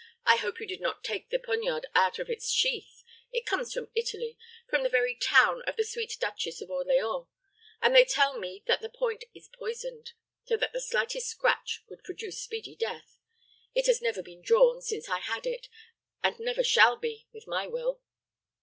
I hope you did not take the poniard out of its sheath. It comes from Italy from the very town of the sweet Duchess of Orleans; and they tell me that the point is poisoned, so that the slightest scratch would produce speedy death. It has never been drawn since I had it, and never shall be with my will."